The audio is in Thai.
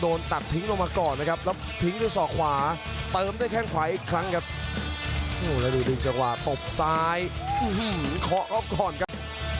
โอ้โหเก็บแข็งแรงครับ